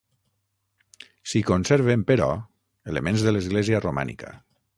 S'hi conserven, però, elements de l'església romànica.